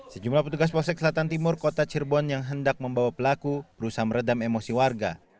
sejumlah petugas posek selatan timur kota cirebon yang hendak membawa pelaku berusaha meredam emosi warga